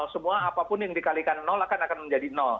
semua apapun yang dikalikan akan akan menjadi